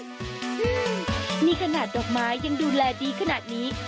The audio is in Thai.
นี่ขนาดดอกไม้ยังดูแลดีขนาดนี้